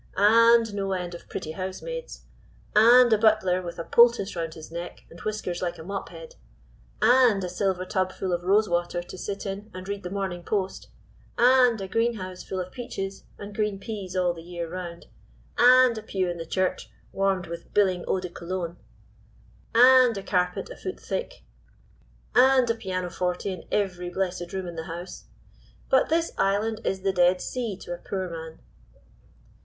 "And no end of pretty housemaids. "And a butler with a poultice round his neck and whiskers like a mop head. "And a silver tub full of rose water to sit in and read the Morning Post. "And a green house full of peaches and green peas all the year round. "And a pew in the church warmed with biling eau de Cologne. "And a carpet a foot thick. "And a piano forte in every blessed room in the house. But this island is the Dead Sea to a poor man."